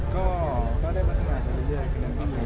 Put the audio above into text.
ก็ได้พัฒนาถึงเรื่อย